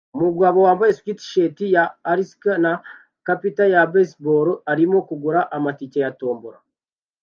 Umugabo wambaye swatshirt ya Alaska na capit ya baseball arimo kugura amatike ya tombola